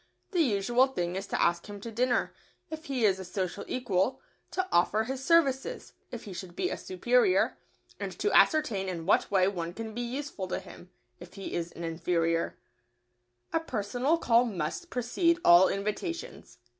The usual thing is to ask him to dinner, if he is a social equal; to offer his services, if he should be a superior; and to ascertain in what way one can be useful to him, if he is an inferior. [Sidenote: A call must precede invitations.] A personal call must precede all invitations.